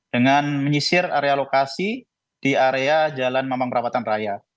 dengan menyisir area lokasi di area jalan mampang perapatan raya